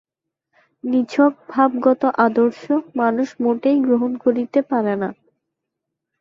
নিছক ভাবগত আদর্শ মানুষ মোটেই গ্রহণ করিতে পারে না।